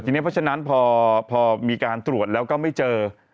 เพราะฉะนั้นพอมีการตรวจแล้วก็ไม่เจอ